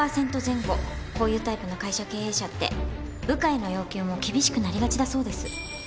こういうタイプの会社経営者って部下への要求も厳しくなりがちだそうです。